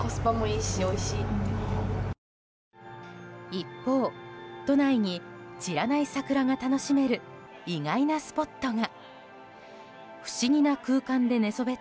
一方、都内に散らない桜が楽しめる意外なスポットが。